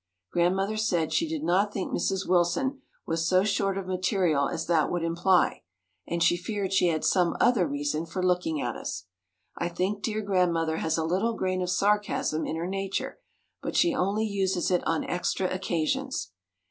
Grandmother said she did not think Mrs. Willson was so short of material as that would imply, and she feared she had some other reason for looking at us. I think dear Grandmother has a little grain of sarcasm in her nature, but she only uses it on extra occasions.